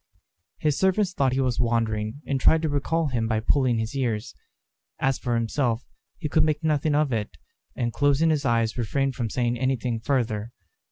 His servants thought he was wandering, and tried to recall him by pulling his ears. As for himself, he could make nothing of it, and closing his eyes refrained from saying anything further.